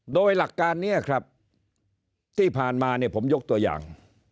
โดยหลักการนี้ครับที่ผ่านมาเนี่ยผมยกตัวอย่าง